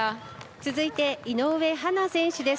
続いて井上葉南選手です。